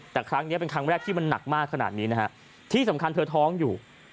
แต่ครั้งนี้เป็นครั้งแรกที่มันหนักมากขนาดนี้นะฮะที่สำคัญเธอท้องอยู่